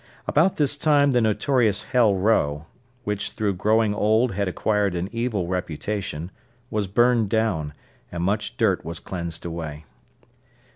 About this time the notorious Hell Row, which through growing old had acquired an evil reputation, was burned down, and much dirt was cleansed away.